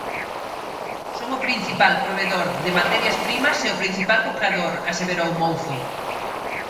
Son o principal provedor de materias primas e o principal comprador, aseverou Mouzo.